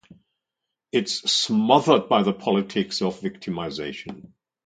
It’s smothered by the politics of victimization.